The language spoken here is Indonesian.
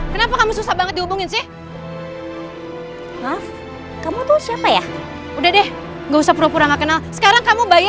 kenapa kamu susah banget dihubungin sih maaf kamu tuh siapa ya udah deh nggak usah pura pura nggak kenal sekarang kamu bayi